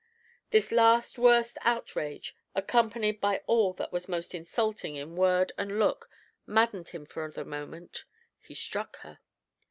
This last worst outrage, accompanied by all that was most insulting in word and look, maddened him for the moment. He struck her.